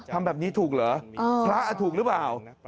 ทำแบบนี้ถูกเหรอพระถูกหรือเปล่า